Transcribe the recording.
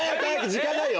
時間ないよ！